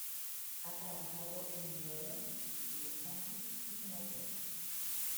Ha trabajado en New Orleans, Los Ángeles y Nueva York.